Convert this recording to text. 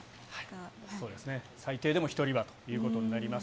そうですね、最低でも１人はということになります。